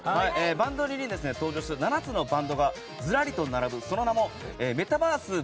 「バンドリ！」に登場する７つのバンドがずらりと並ぶその名もメタバース「ＢａｎＧＤｒｅａｍ！」